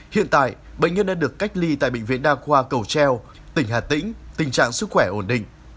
hiện tại bệnh nhân đã được cách ly tại bệnh viện đa khoa cầu treo tỉnh hà tĩnh tình trạng sức khỏe ổn định